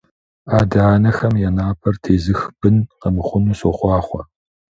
Адэ-анэхэм я напэр тезых бын къэмыхъуну сохъуахъуэ!